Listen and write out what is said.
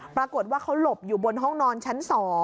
ปรากฏว่าเขาหลบอยู่บนห้องนอนชั้น๒